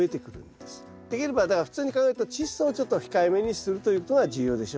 できればだから普通に考えるとチッ素をちょっと控えめにするということが重要でしょうね。